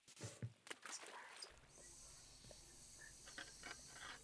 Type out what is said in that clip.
This marriage proved controversial and a political liability.